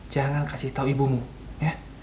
jangan kasih tahu ibumu ya